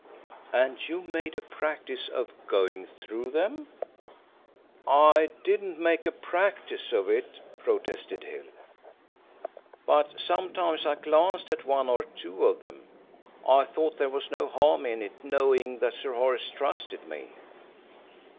"And you made a practice of going through them?" "I didn't make a practice of it," protested Hill. "But sometimes I glanced at one or two of them. I thought there was no harm in it, knowing that Sir Horace trusted me."